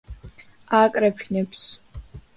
ააკრეფინებს